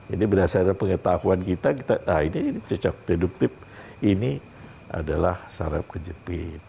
ini berdasarkan pengetahuan kita ini cecak reduktif ini adalah saraf tercepit